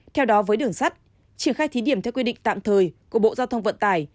theo đó với đường sắt triển khai thí điểm theo quy định tạm thời của bộ giao thông vận tải